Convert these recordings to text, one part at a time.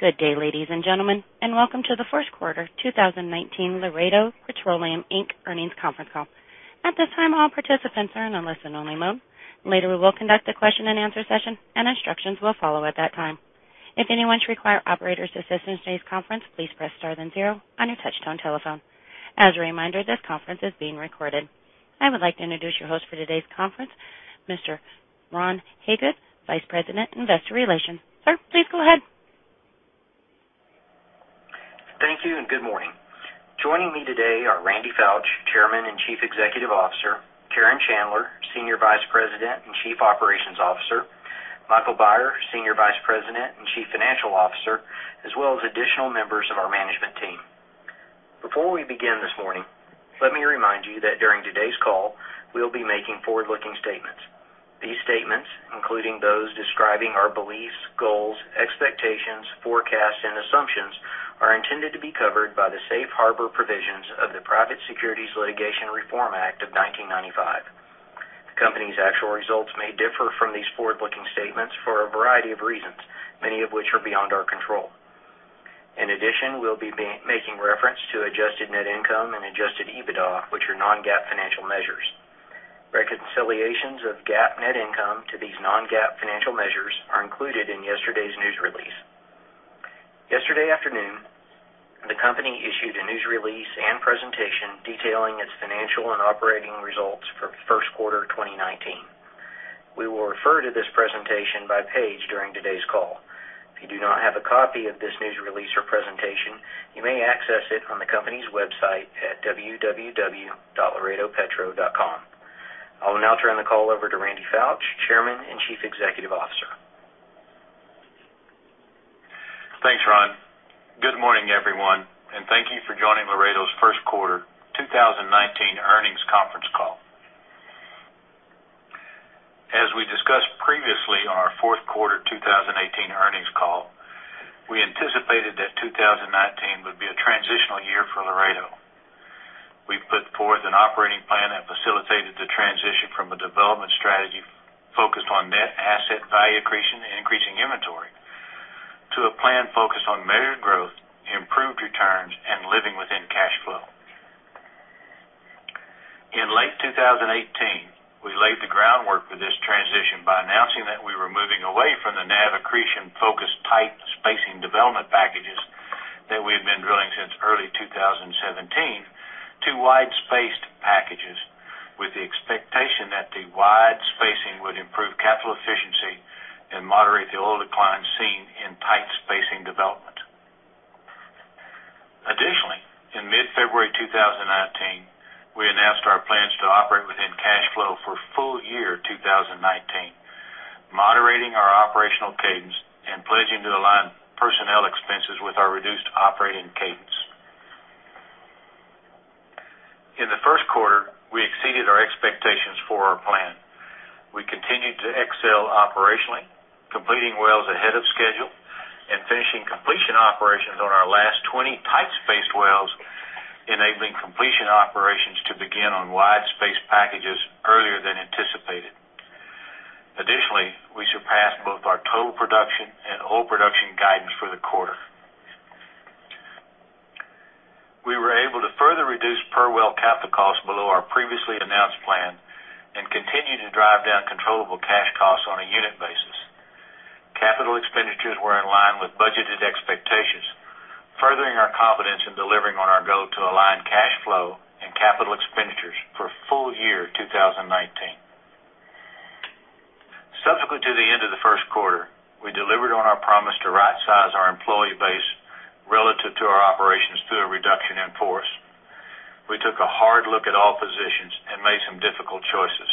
Good day, ladies and gentlemen, welcome to the first quarter 2019 Laredo Petroleum, Inc. earnings conference call. At this time, all participants are in a listen only mode. Later, we will conduct a question-and-answer session, and instructions will follow at that time. If anyone should require operator's assistance during this conference, please press star then zero on your touchtone telephone. As a reminder, this conference is being recorded. I would like to introduce your host for today's conference, Mr. Ron Hagood, Vice President, Investor Relations. Sir, please go ahead. Thank you. Good morning. Joining me today are Randy Foutch, Chairman and Chief Executive Officer; Karen Chandler, Senior Vice President and Chief Operations Officer; Michael Beyer, Senior Vice President and Chief Financial Officer, as well as additional members of our management team. Before we begin this morning, let me remind you that during today's call, we'll be making forward-looking statements. These statements, including those describing our beliefs, goals, expectations, forecasts, and assumptions, are intended to be covered by the safe harbor provisions of the Private Securities Litigation Reform Act of 1995. The company's actual results may differ from these forward-looking statements for a variety of reasons, many of which are beyond our control. In addition, we'll be making reference to adjusted net income and adjusted EBITDA, which are non-GAAP financial measures. Reconciliations of GAAP net income to these non-GAAP financial measures are included in yesterday's news release. Yesterday afternoon, the company issued a news release and presentation detailing its financial and operating results for first quarter 2019. We will refer to this presentation by page during today's call. If you do not have a copy of this news release or presentation, you may access it on the company's website at www.laredopetro.com. I will now turn the call over to Randy Foutch, Chairman and Chief Executive Officer. Thanks, Ron. Good morning, everyone. Thank you for joining Laredo's first quarter 2019 earnings conference call. As we discussed previously on our fourth quarter 2018 earnings call, we anticipated that 2019 would be a transitional year for Laredo. We put forth an operating plan that facilitated the transition from a development strategy focused on net asset value accretion and increasing inventory, to a plan focused on measured growth, improved returns, and living within cash flow. In late 2018, we laid the groundwork for this transition by announcing that we were moving away from the NAV accretion-focused tight spacing development packages that we had been drilling since early 2017 to wide-spaced packages with the expectation that the wide spacing would improve capital efficiency and moderate the oil decline seen in tight spacing development. Additionally, in mid-February 2019, we announced our plans to operate within cash flow for full year 2019, moderating our operational cadence and pledging to align personnel expenses with our reduced operating cadence. In the first quarter, we exceeded our expectations for our plan. We continued to excel operationally, completing wells ahead of schedule and finishing completion operations on our last 20 tight-spaced wells, enabling completion operations to begin on wide-spaced packages earlier than anticipated. Additionally, we surpassed both our total production and oil production guidance for the quarter. We were able to further reduce per well capital costs below our previously announced plan and continue to drive down controllable cash costs on a unit basis. Capital expenditures were in line with budgeted expectations, furthering our confidence in delivering on our goal to align cash flow and capital expenditures for full year 2019. Subsequent to the end of the first quarter, we delivered on our promise to right size our employee base relative to our operations through a reduction in force. We took a hard look at all positions and made some difficult choices.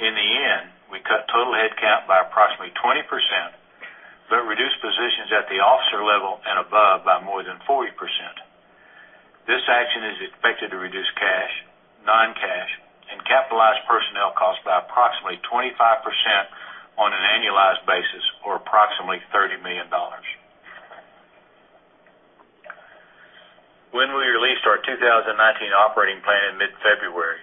In the end, we cut total headcount by approximately 20%, but reduced positions at the officer level and above by more than 40%. This action is expected to reduce cash, non-cash, and capitalized personnel costs by approximately 25% on an annualized basis, or approximately $30 million. When we released our 2019 operating plan in mid-February,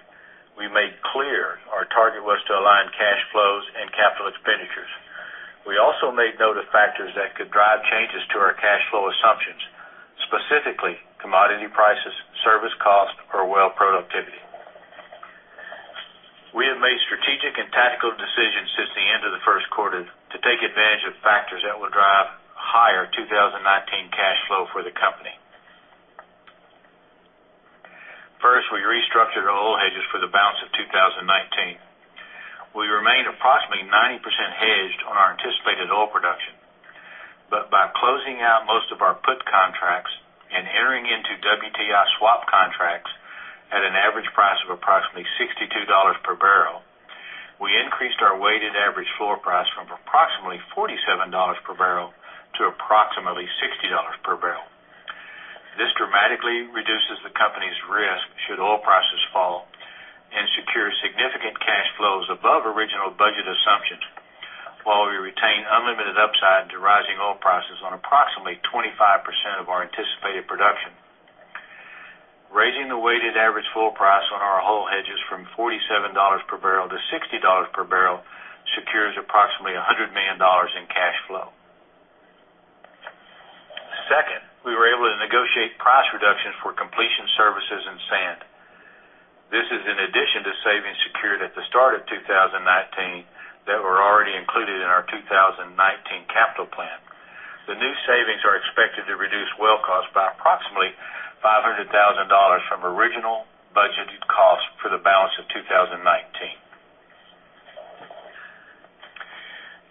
we made clear our target was to align cash flows and capital expenditures. We also made note of factors that could drive changes to our cash flow assumptions, specifically commodity prices, service cost, or well productivity. First, we restructured our oil hedges for the balance of 2019. We remain approximately 90% hedged on our anticipated oil production. By closing out most of our put contracts and entering into WTI swap contracts at an average price of approximately $62 per barrel, we increased our weighted average floor price from approximately $47 per barrel to approximately $60 per barrel. This dramatically reduces the company's risk should oil prices fall and secures significant cash flows above original budget assumptions while we retain unlimited upside to rising oil prices on approximately 25% of our anticipated production. Raising the weighted average floor price on our oil hedges from $47 per barrel to $60 per barrel secures approximately $100 million in cash flow. Second, we were able to negotiate price reductions for completion services and sand. This is in addition to savings secured at the start of 2019 that were already included in our 2019 capital plan. The new savings are expected to reduce well costs by approximately $500,000 from original budgeted costs for the balance of 2019.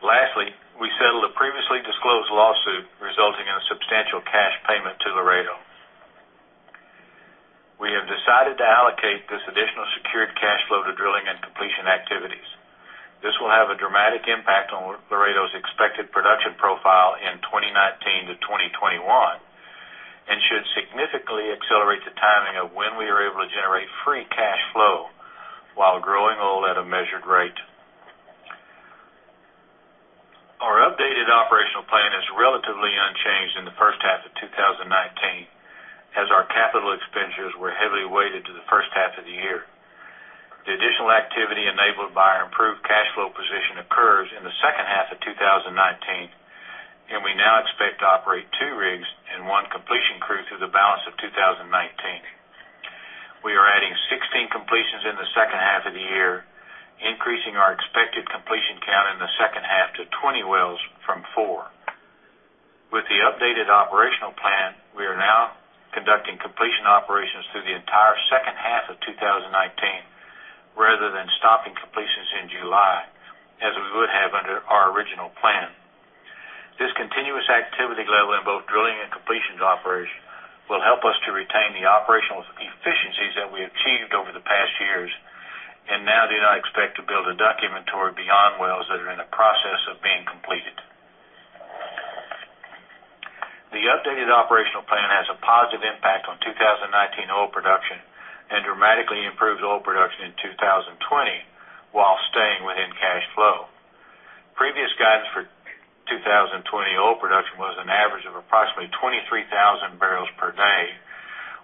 Lastly, we settled a previously disclosed lawsuit resulting in a substantial cash payment to Laredo. We have decided to allocate this additional secured cash flow to drilling and completion activities. This will have a dramatic impact on Laredo's expected production profile in 2019 to 2021 and should significantly accelerate the timing of when we are able to generate free cash flow while growing oil at a measured rate. Our updated operational plan is relatively unchanged in the first half of 2019, as our capital expenditures were heavily weighted to the first half of the year. The additional activity enabled by our improved cash flow position occurs in the second half of 2019, and we now expect to operate two rigs and one completion crew through the balance of 2019. We are adding 16 completions in the second half of the year, increasing our expected completion count in the second half to 20 wells from four. With the updated operational plan, we are now conducting completion operations through the entire second half of 2019 rather than stopping completions in July, as we would have under our original plan. This continuous activity level in both drilling and completions operation will help us to retain the operational efficiencies that we achieved over the past years and now do not expect to build a DUC inventory beyond wells that are in the process of being completed. The updated operational plan has a positive impact on 2019 oil production and dramatically improves oil production in 2020 while staying within cash flow. Previous guidance for 2020 oil production was an average of approximately 23,000 barrels per day,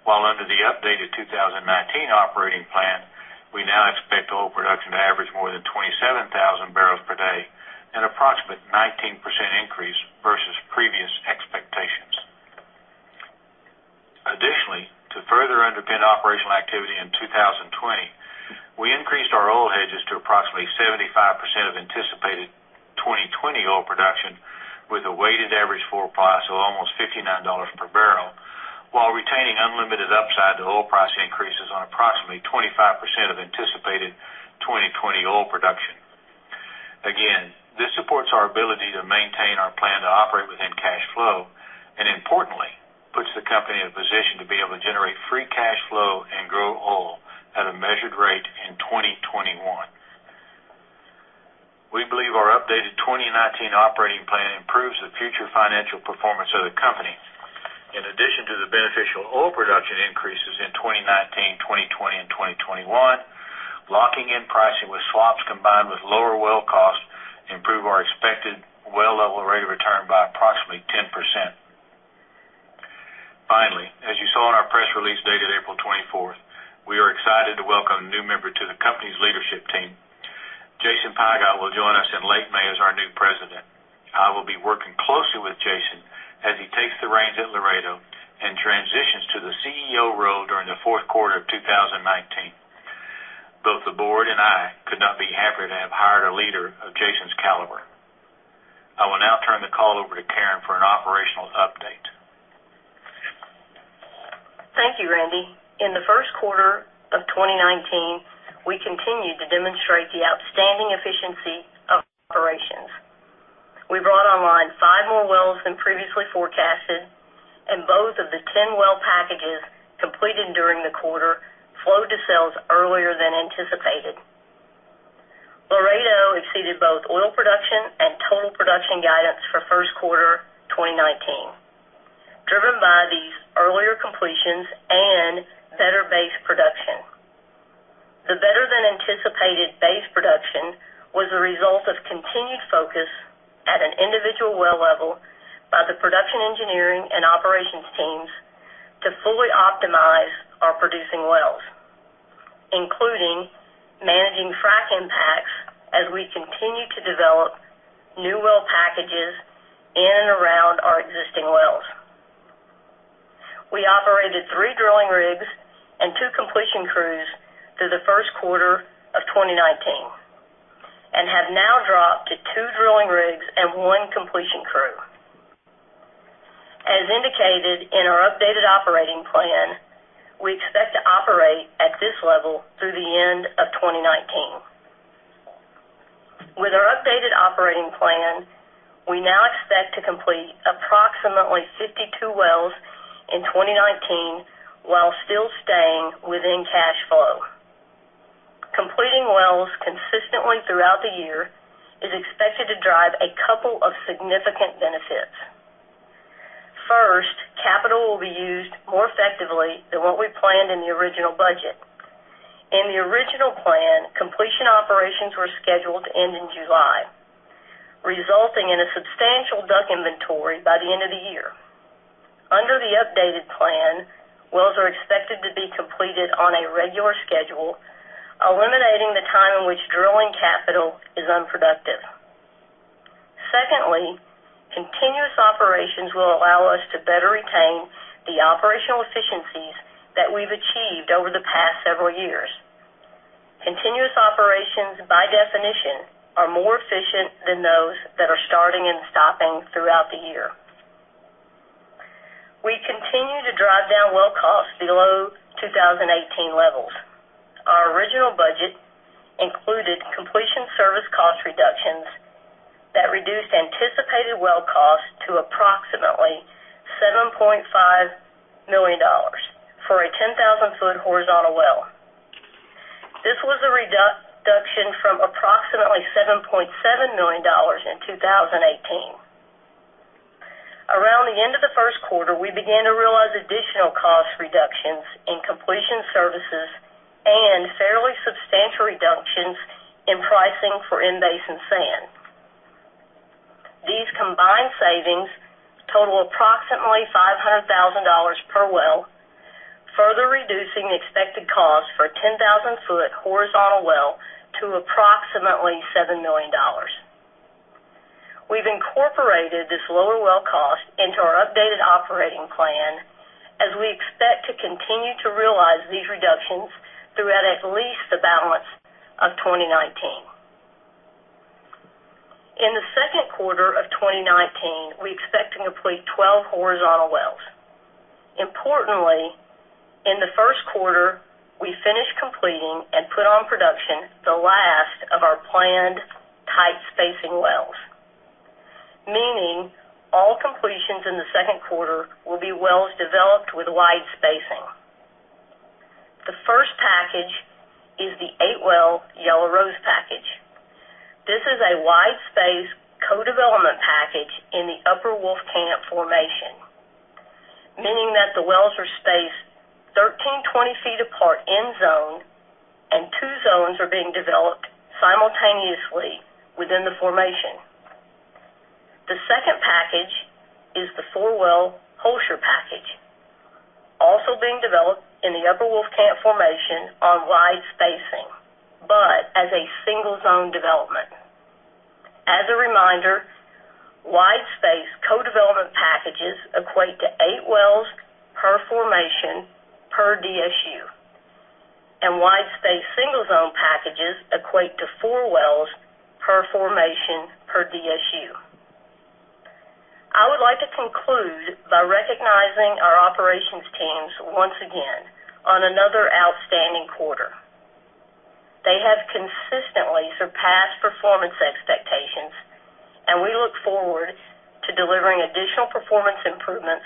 while under the updated 2019 operating plan, we now expect oil production to average more than 27,000 barrels per day, an approximate 19% increase versus previous expectations. Additionally, to further underpin operational activity in 2020, we increased our oil hedges to approximately 75% of anticipated 2020 oil production, with a weighted average floor price of almost $59 per barrel, while retaining unlimited upside to oil price increases on approximately 25% of anticipated 2020 oil production. Again, this supports our ability to maintain our plan to operate within cash flow and importantly, puts the company in a position to be able to generate free cash flow and grow oil at a measured rate in 2021. We believe our updated 2019 operating plan improves the future financial performance of the company. In addition to the beneficial oil production increases in 2019, 2020, and 2021, locking in pricing with swaps combined with lower well costs improve our expected well level rate of return by approximately 10%. Finally, as you saw in our press release dated April 24th, we are excited to welcome a new member to the company's leadership team. Jason Pigott will join us in late May as our new President. I will be working closely with Jason as he takes the reins at Laredo and transitions to the CEO role during the fourth quarter of 2019. Both the board and I could not be happier to have hired a leader of Jason's caliber. I will now turn the call over to Karen for an operational update. Thank you, Randy. In the first quarter of 2019, we continued to demonstrate the outstanding efficiency of our operations. We brought online five more wells than previously forecasted, and both of the 10 well packages completed during the quarter flowed to sales earlier than anticipated. Laredo exceeded both oil production and total production guidance for first quarter 2019, driven by these earlier completions and better base production. The better than anticipated base production was a result of continued focus at an individual well level by the production engineering and operations teams to fully optimize our producing wells, including managing frac impacts as we continue to develop new well packages in and around our existing wells. We operated three drilling rigs and two completion crews through the first quarter of 2019, and have now dropped to two drilling rigs and one completion crew. As indicated in our updated operating plan, we expect to operate at this level through the end of 2019. With our updated operating plan, we now expect to complete approximately 52 wells in 2019 while still staying within cash flow. Completing wells consistently throughout the year is expected to drive a couple of significant benefits. First, capital will be used more effectively than what we planned in the original budget. In the original plan, completion operations were scheduled to end in July, reducing DUC inventory by the end of the year. Under the updated plan, wells are expected to be completed on a regular schedule, eliminating the time in which drilling capital is unproductive. Secondly, continuous operations will allow us to better retain the operational efficiencies that we've achieved over the past several years. Continuous operations, by definition, are more efficient than those that are starting and stopping throughout the year. We continue to drive down well costs below 2018 levels. Our original budget included completion service cost reductions that reduced anticipated well costs to approximately $7.5 million for a 10,000-foot horizontal well. This was a reduction from approximately $7.7 million in 2018. Around the end of the first quarter, we began to realize additional cost reductions in completion services and fairly substantial reductions in pricing for in-basin sand. These combined savings total approximately $500,000 per well, further reducing the expected cost for a 10,000-foot horizontal well to approximately $7 million. We've incorporated this lower well cost into our updated operating plan, as we expect to continue to realize these reductions throughout at least the balance of 2019. In the second quarter of 2019, we expect to complete 12 horizontal wells. Importantly, in the first quarter, we finished completing and put on production the last of our planned tight spacing wells, meaning all completions in the second quarter will be wells developed with wide spacing. The first package is the eight-well Yellow Rose package. This is a wide-space co-development package in the Upper Wolfcamp formation, meaning that the wells are spaced 1,320 feet apart end zone, and two zones are being developed simultaneously within the formation. The second package is the four-well Holshire package, also being developed in the Upper Wolfcamp formation on wide spacing, but as a single zone development. As a reminder, wide space co-development packages equate to eight wells per formation per DSU, and wide space single zone packages equate to four wells per formation per DSU. I would like to conclude by recognizing our operations teams once again on another outstanding quarter. They have consistently surpassed performance expectations. We look forward to delivering additional performance improvements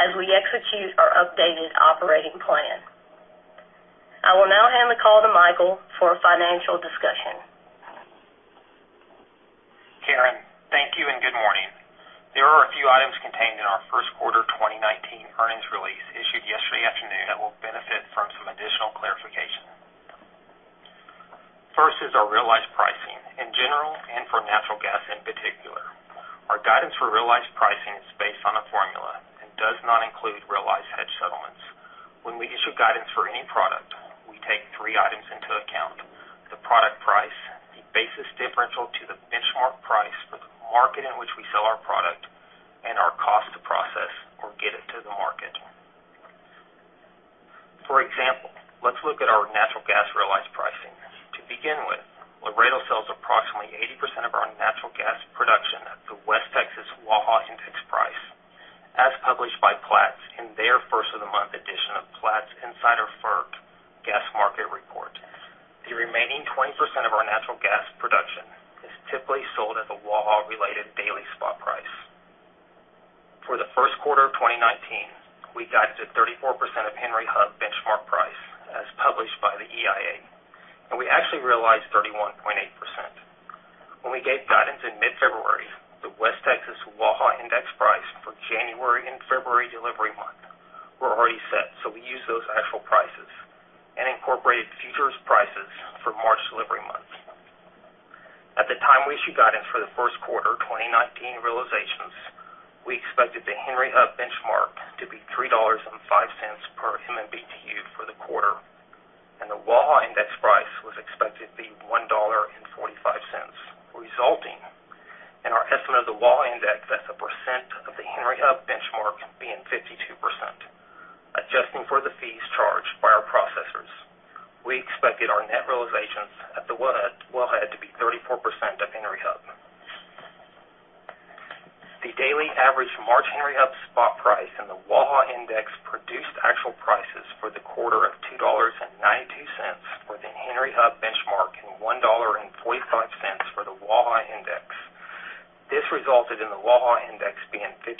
as we execute our updated operating plan. I will now hand the call to Michael for a financial discussion. Karen, thank you and good morning. There are a few items contained in our first quarter 2019 earnings release issued yesterday afternoon that will benefit from some additional clarification. First is our realized pricing in general and for natural gas in particular. Our guidance for realized pricing is based on a formula and does not include realized hedge settlements. When we issue guidance for any product, we take three items into account, the product price, the basis differential to the benchmark price for the market in which we sell our product, and our cost to process or get it to the market. For example, let's look at our natural gas realized pricing. To begin with, Laredo sells approximately 80% of our natural gas production at the West Texas Waha Index price, as published by Platts in their first of the month edition of Platts Inside FERC's Gas Market Report. The remaining 20% of our natural gas production is typically sold at the Waha-related daily spot price. For the first quarter of 2019, we guided 34% of Henry Hub benchmark price, as published by the EIA. We actually realized 31.8%. When we gave guidance in mid-February, the West Texas Waha index price for January and February delivery month were already set. We used those actual prices and incorporated futures prices for March delivery months. At the time we issued guidance for the first quarter 2019 realizations, we expected the Henry Hub benchmark to be $3.05 per MMBtu for the quarter, and the Waha index price was expected to be $1.45, resulting in our estimate of the Waha index as a percent of the Henry Hub benchmark being 52%. Adjusting for the fees charged by our processors, we expected our net realizations at the wellhead to be 34% of Henry Hub. The daily average March Henry Hub spot price and the Waha index produced actual prices for the quarter of $2.92 within Henry Hub benchmark and $1.45 for the Waha index. This resulted in the Waha index being 50%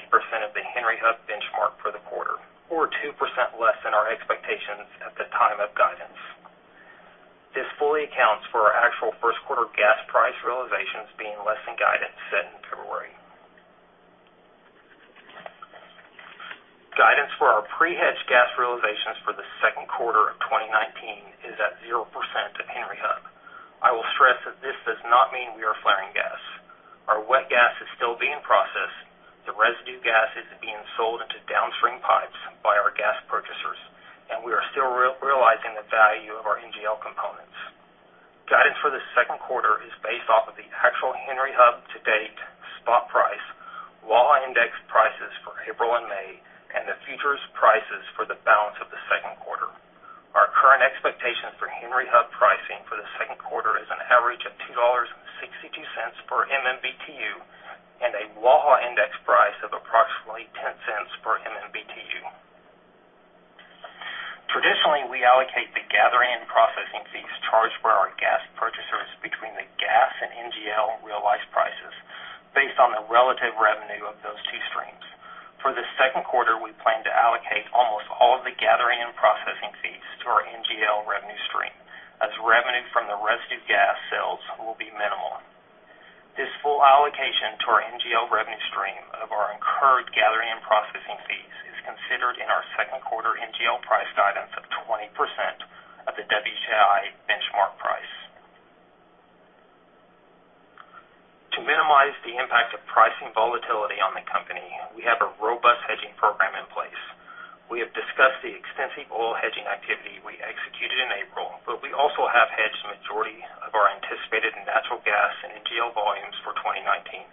of the Henry Hub benchmark for the quarter or 2% less than our expectations at the time of guidance. This fully accounts for our actual first quarter gas price realizations being less than guidance set in February. Guidance for our pre-hedge gas realizations for the second quarter of 2019 is at 0% at Henry Hub. I will stress that this does not mean we are flaring gas. Our wet gas is still being processed, the residue gas is being sold into downstream pipes by our gas purchasers, and we are still realizing the value of our NGL components. Guidance for the second quarter is based off of the actual Henry Hub to date spot price, Waha index prices for April and May, and the futures prices for the balance of the second quarter. Our current expectations for Henry Hub pricing for the second quarter is an average of $2.62 per MMBtu and a Waha index price of approximately $0.10 per MMBtu. Traditionally, we allocate the gathering and processing fees charged for our gas purchasers between the gas and NGL realized prices based on the relative revenue of those two streams. For the second quarter, we plan to allocate almost all of the gathering and processing fees to our NGL revenue stream, as revenue from the residue gas sales will be minimal. This full allocation to our NGL revenue stream of our incurred gathering and processing fees is considered in our second quarter NGL price guidance of 20% of the WTI benchmark price. To minimize the impact of pricing volatility on the company, we have a robust hedging program in place. We have discussed the extensive oil hedging activity we executed in April, but we also have hedged the majority of our anticipated natural gas and NGL volumes for 2019.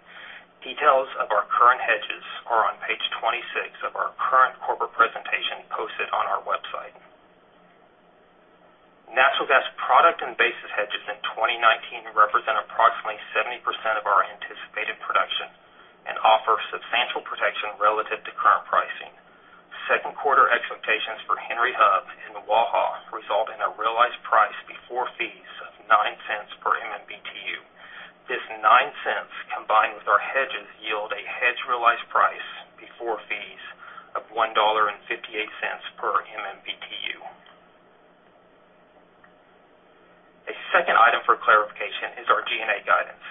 Details of our current hedges are on page 26 of our current corporate presentation posted on our website. Natural gas product and basis hedges in 2019 represent approximately 70% of our anticipated production and offer substantial protection relative to current pricing. Second quarter expectations for Henry Hub and Waha result in a realized price before fees of $0.09 per MMBtu. This $0.09, combined with our hedges, yield a hedged realized price before fees of $1.58 per MMBtu. A second item for clarification is our G&A guidance.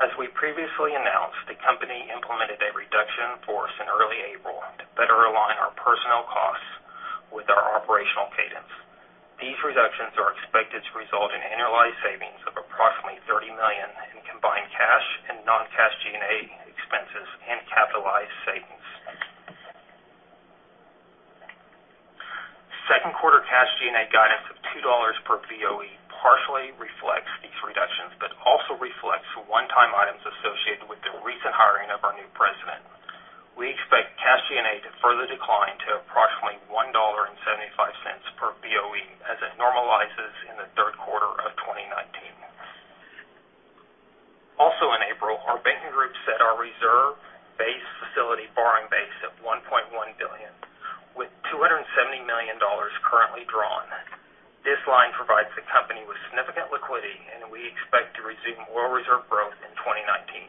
As we previously announced, the company implemented a reduction force in early April to better align our personnel costs with our operational cadence. These reductions are expected to result in annualized savings of approximately $30 million in combined cash and non-cash G&A expenses and capitalized savings. Second quarter cash G&A guidance of $2 per BOE partially reflects these reductions, but also reflects one-time items associated with the recent hiring of our new president. We expect cash G&A to further decline to approximately $1.75 per BOE as it normalizes in the third quarter of 2019. Also in April, our banking group set our reserve base facility borrowing base at $1.1 billion with $270 million currently drawn. This line provides the company with significant liquidity, and we expect to resume oil reserve growth in 2019,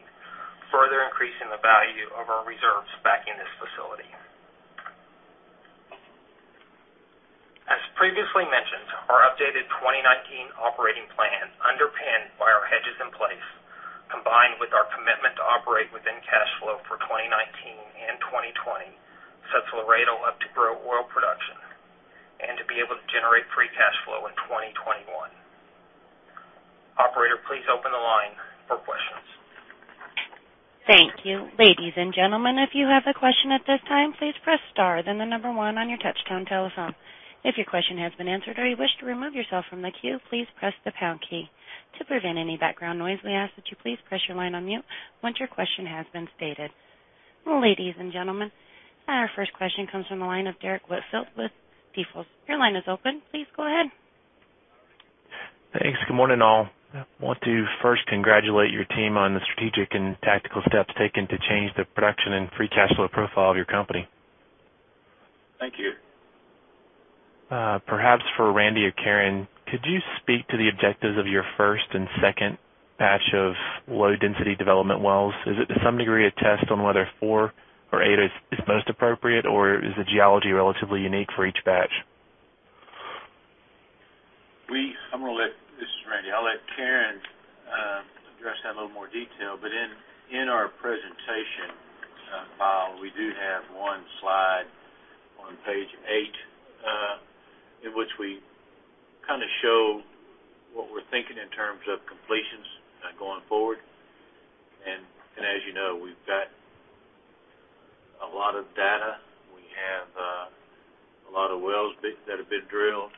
further increasing the value of our reserves backing this facility. As previously mentioned, our updated 2019 operating plan, underpinned by our hedges in place, combined with our commitment to operate within cash flow for 2019 and 2020, sets Laredo up to grow oil production and to be able to generate free cash flow in 2021. Operator, please open the line for questions. Thank you. Ladies and gentlemen, if you have a question at this time, please press star then the number one on your touchtone telephone. If your question has been answered or you wish to remove yourself from the queue, please press the pound key. To prevent any background noise, we ask that you please press your line on mute once your question has been stated. Ladies and gentlemen, our first question comes from the line of Derrick Whitfield with Stifel. Your line is open. Please go ahead. Thanks. Good morning, all. I want to first congratulate your team on the strategic and tactical steps taken to change the production and free cash flow profile of your company. Thank you. Perhaps for Randy or Karen, could you speak to the objectives of your first and second batch of low-density development wells? Is it to some degree a test on whether four or eight is most appropriate, or is the geology relatively unique for each batch? This is Randy. I'll let Karen address that in a little more detail. In our presentation file, we do have one slide on page eight, in which we show what we're thinking in terms of completions going forward. As you know, we've got a lot of data. We have a lot of wells that have been drilled.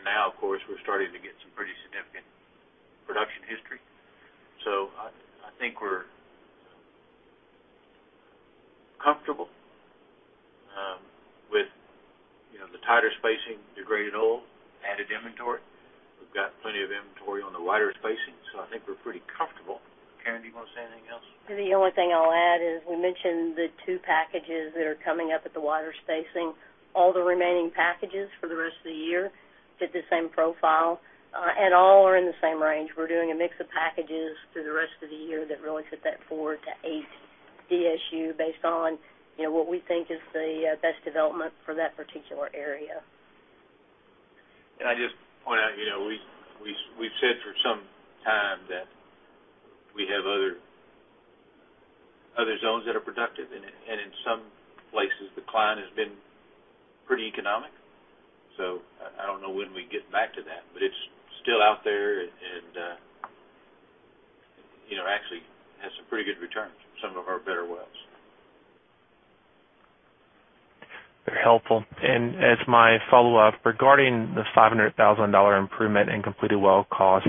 Now, of course, we're starting to get some pretty significant production history. I think we're comfortable with the tighter spacing, degraded oil, added inventory. We've got plenty of inventory on the wider spacing. I think we're pretty comfortable. Karen, do you want to say anything else? The only thing I'll add is we mentioned the two packages that are coming up at the wider spacing. All the remaining packages for the rest of the year fit the same profile. All are in the same range. We're doing a mix of packages through the rest of the year that really fit that four to eight DSU based on what we think is the best development for that particular area. I'd just point out, we've said for Other zones that are productive, and in some places, Cline has been pretty economic. I don't know when we'd get back to that, but it's still out there and actually has some pretty good returns, some of our better wells. Very helpful. As my follow-up, regarding the $500,000 improvement in completed well cost,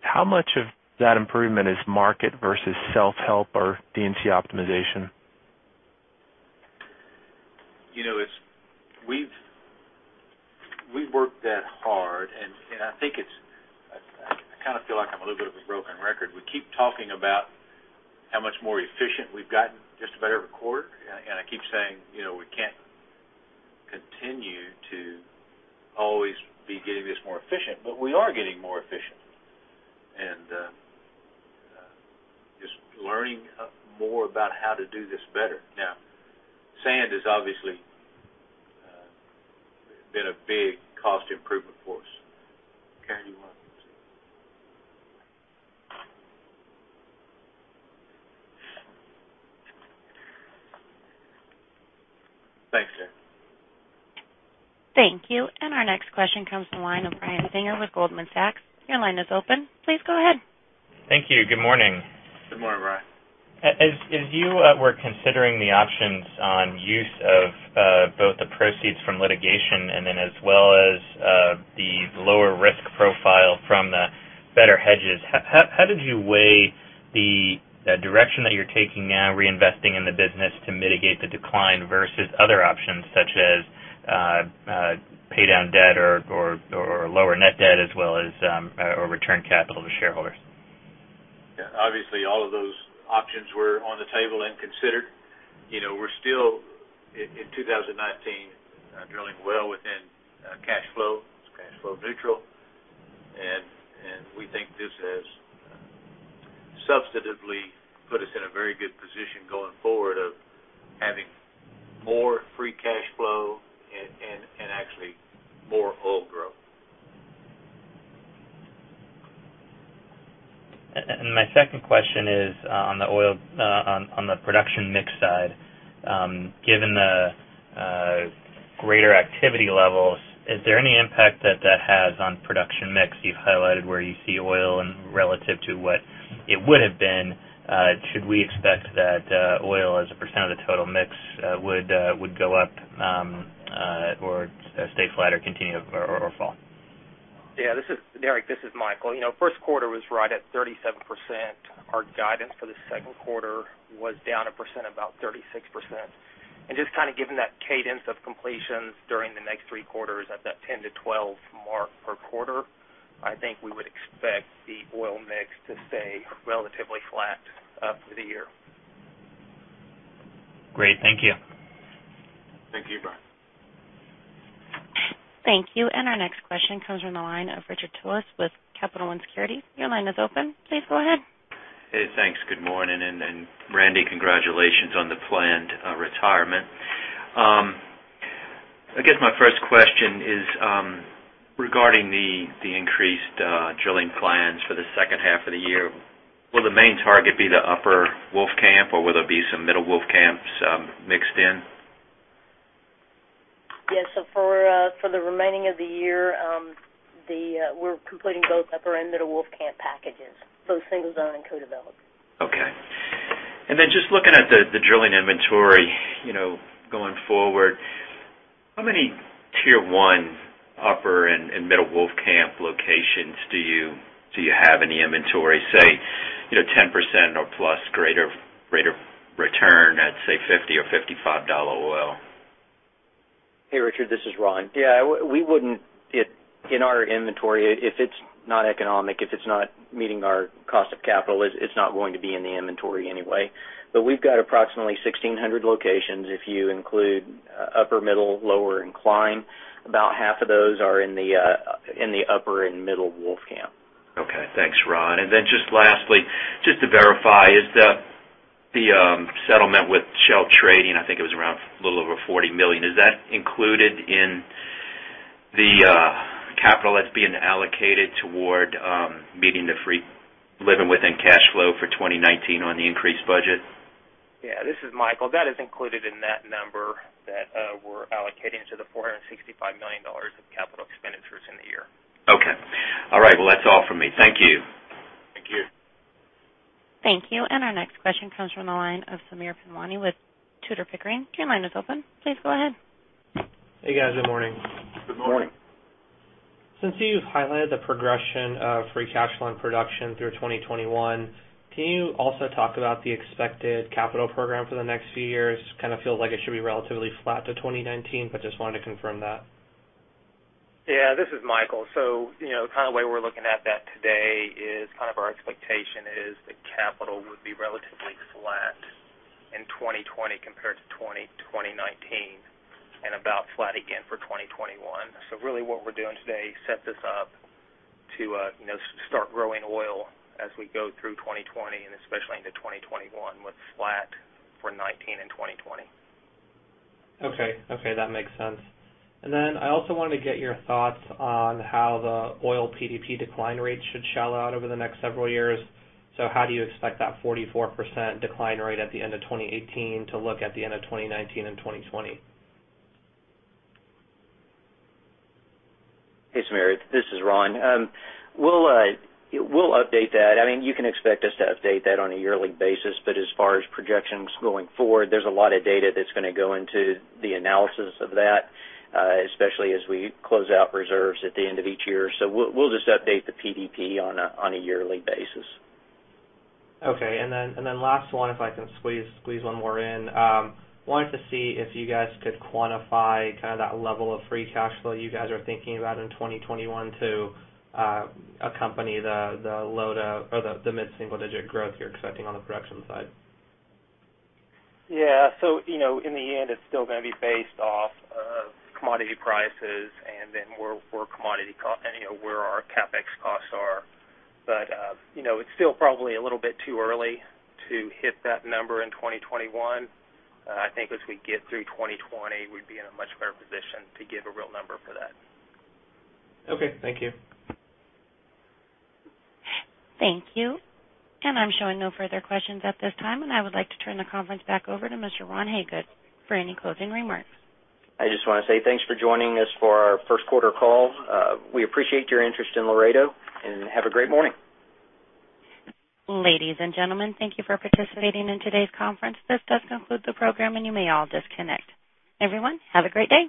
how much of that improvement is market versus self-help or D&C optimization? We've worked that hard, I feel like I'm a little bit of a broken record. We keep talking about how much more efficient we've gotten just about every quarter, I keep saying, we can't continue to always be getting this more efficient, we are getting more efficient, just learning more about how to do this better. Sand has obviously been a big cost improvement for us. Karen, you want to Thanks, Karen. Thank you. Our next question comes from the line of Ryan Singer with Goldman Sachs. Your line is open. Please go ahead. Thank you. Good morning. Good morning, Ryan. As you were considering the options on use of both the proceeds from litigation and then as well as the lower risk profile from the better hedges, how did you weigh the direction that you're taking now, reinvesting in the business to mitigate the decline versus other options such as pay down debt or lower net debt as well as, or return capital to shareholders? Obviously, all of those options were on the table and considered. We're still, in 2019, drilling well within cash flow. It's cash flow neutral, and we think this has substantively put us in a very good position going forward of having more free cash flow and actually more oil growth. My second question is on the production mix side. Given the greater activity levels, is there any impact that that has on production mix? You've highlighted where you see oil and relative to what it would've been. Should we expect that oil as a % of the total mix would go up or stay flat or fall? Yeah, Derrick, this is Michael. First quarter was right at 37%. Our guidance for the second quarter was down a %, about 36%. Just given that cadence of completions during the next three quarters at that 10-12 mark per quarter, I think we would expect the oil mix to stay relatively flat for the year. Great. Thank you. Thank you, Ryan. Thank you. Our next question comes from the line of Richard Tullis with Capital One Securities. Your line is open. Please go ahead. Hey, thanks. Good morning, Randy, congratulations on the planned retirement. I guess my first question is, regarding the increased drilling plans for the second half of the year, will the main target be the Upper Wolfcamp, or will there be some Middle Wolfcamps mixed in? Yes. For the remaining of the year, we're completing both Upper and Middle Wolfcamp packages, both single zone and co-developed. Okay. Then just looking at the drilling inventory, going forward, how many Tier 1 Upper and Middle Wolfcamp locations do you have in the inventory, say, 10% or plus greater return at, say, 50 or $55 oil? Richard, this is Ron. In our inventory, if it's not economic, if it's not meeting our cost of capital, it's not going to be in the inventory anyway. We've got approximately 1,600 locations if you include Upper, Middle, Lower, and Cline. About half of those are in the Upper and Middle Wolfcamp. Thanks, Ron. Just lastly, just to verify, is the settlement with Shell Trading, I think it was around a little over $40 million, is that included in the capital that's being allocated toward meeting the living within cash flow for 2019 on the increased budget? This is Michael. That is included in that number that we're allocating to the $465 million of capital expenditures in the year. That's all for me. Thank you. Thank you. Thank you. Our next question comes from the line of Sameer Panjwani with Tudor, Pickering. Your line is open. Please go ahead. Hey, guys. Good morning. Good morning. Since you've highlighted the progression of free cash flow and production through 2021, can you also talk about the expected capital program for the next few years? It feels like it should be relatively flat to 2019, just wanted to confirm that. Yeah. This is Michael. The way we're looking at that today is our expectation is the capital would be relatively flat in 2020 compared to 2019, and about flat again for 2021. Really what we're doing today sets us up to start growing oil as we go through 2020 and especially into 2021, with flat for 2019 and 2020. Okay. That makes sense. I also wanted to get your thoughts on how the oil PDP decline rate should shallow out over the next several years. How do you expect that 44% decline rate at the end of 2018 to look at the end of 2019 and 2020? Hey, Sameer Panjwani, this is Ron. We'll update that. You can expect us to update that on a yearly basis, as far as projections going forward, there's a lot of data that's going to go into the analysis of that, especially as we close out reserves at the end of each year. We'll just update the PDP on a yearly basis. Okay. Last one, if I can squeeze one more in. Wanted to see if you guys could quantify that level of free cash flow you guys are thinking about in 2021 to accompany the mid-single-digit growth you are expecting on the production side. Yeah. In the end, it is still going to be based off of commodity prices and where our CapEx costs are. It is still probably a little bit too early to hit that number in 2021. I think as we get through 2020, we would be in a much better position to give a real number for that. Okay. Thank you. Thank you. I am showing no further questions at this time, and I would like to turn the conference back over to Mr. Ron Hagood for any closing remarks. I just want to say thanks for joining us for our first quarter call. We appreciate your interest in Laredo, and have a great morning. Ladies and gentlemen, thank you for participating in today's conference. This does conclude the program. You may all disconnect. Everyone, have a great day.